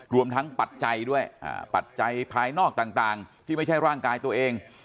รวมทั้งปัจจัยด้วยปัจจัยภายนอกต่างที่ไม่ใช่ร่างกายตัวเอง